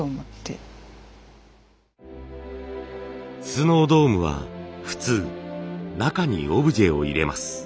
スノードームは普通中にオブジェを入れます。